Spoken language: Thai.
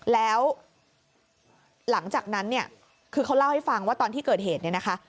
แล้วหลังจากนั้นเนี่ยคือเขาเล่าให้ฟังว่าตอนที่เกิดเหตุเนี่ยนะคะ